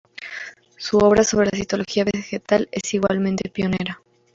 Su obra sobre la citología vegetal es igualmente pionera.